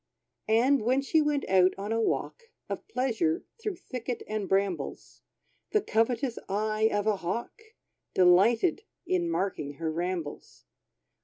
And when she went out on a walk Of pleasure, through thicket and brambles, The covetous eye of a Hawk Delighted in marking her rambles.